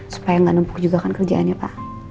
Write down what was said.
supaya nggak numpuk juga kan kerjaannya pak